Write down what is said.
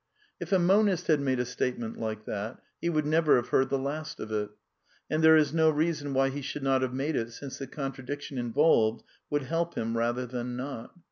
If a monist had made a statement like that he would never have heard the last of it. And there is no reason why he should not have made it, since the contradiction in volved would help him rather than not.